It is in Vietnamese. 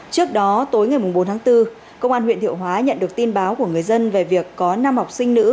trước đó tối ngày bốn tháng bốn công an huyện thiệu hóa nhận được tin báo của người dân về việc có năm học sinh nữ